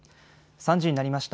３時になりました。